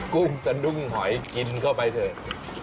กุ้งสะดุ้งหอยกินเข้าไปเถอะ